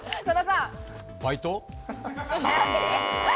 バイト。